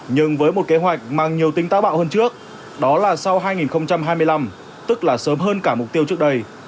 nhưng với một kế hoạch mang nhiều tính táo bạo hơn trước đó là sau hai nghìn hai mươi năm tức là sớm hơn cả mục tiêu trước đây